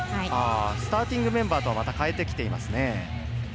スターティングメンバーとはまた代えてきていますね。